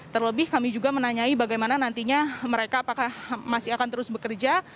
terlebih kami juga menanyai bagaimana nantinya mereka apakah masih akan terus bekerja